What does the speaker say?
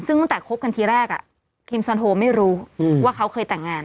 ซึ่งตั้งแต่คบกันทีแรกคิมซอนโฮไม่รู้ว่าเขาเคยแต่งงาน